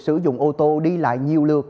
sử dụng ô tô đi lại nhiều lượt